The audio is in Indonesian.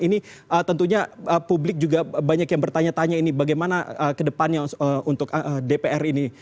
ini tentunya publik juga banyak yang bertanya tanya ini bagaimana ke depannya untuk dpr ini